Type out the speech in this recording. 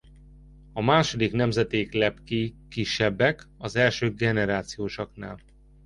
A második nemzedék lepkéi kisebbek az első generációsaknál.